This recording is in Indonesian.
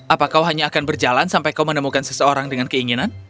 apa kau hanya akan berjalan sampai kau menemukan seseorang dengan keinginan